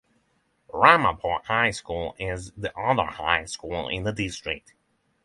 Ramapo High School is the other high school in the district.